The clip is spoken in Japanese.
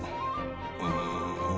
うん。